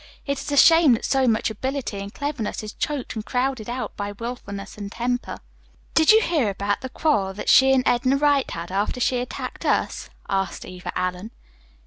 It is a shame that so much ability and cleverness is choked and crowded out by wilfulness and temper." "Did you hear about the quarrel that she and Edna Wright had, after she attacked us?" asked Eva Allen.